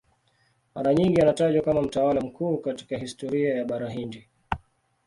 Mara nyingi anatajwa kama mtawala mkuu katika historia ya Bara Hindi.